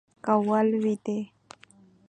که ولوېدلې